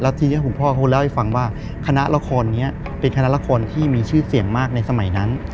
ทีนี้คุณพ่อเขาเล่าให้ฟังว่าคณะละครนี้เป็นคณะละครที่มีชื่อเสียงมากในสมัยนั้น